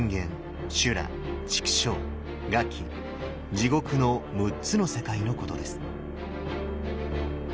六道とはの６つの世界のことです。